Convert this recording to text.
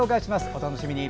お楽しみに。